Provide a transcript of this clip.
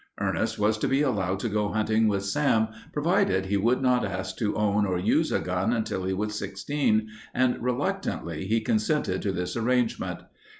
Ernest was to be allowed to go hunting with Sam provided he would not ask to own or use a gun until he was sixteen, and reluctantly he consented to this arrangement.